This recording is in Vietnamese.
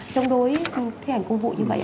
chống đối thi hành công vụ như vậy ạ